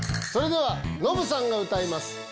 ではノブさんが歌います